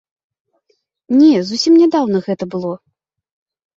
Не зусім нядаўна гэта было.